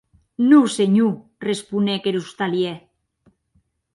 Non senhor, responec er ostalièr.